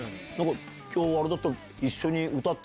今日あれだったら。